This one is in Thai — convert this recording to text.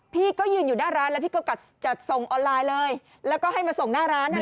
พี่ก็ยืนอยู่หน้าร้านแล้วพี่ก็กัดจัดส่งออนไลน์เลยแล้วก็ให้มาส่งหน้าร้านนะคะ